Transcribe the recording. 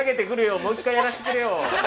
もう１回やらせてくれよ。